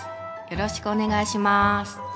よろしくお願いします。